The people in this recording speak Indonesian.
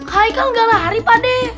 haikal gak lari pak deh